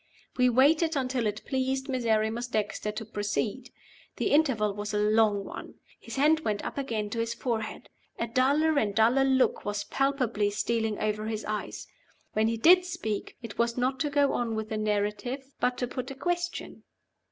We waited until it pleased Miserrimus Dexter to proceed. The interval was a long one. His hand went up again to his forehead. A duller and duller look was palpably stealing over his eyes. When he did speak, it was not to go on with the narrative, but to put a question.